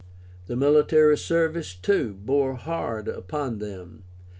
The military service, too, bore hard upon them.